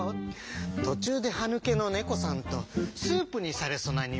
「とちゅうではぬけのねこさんとスープにされそなにわとりさん」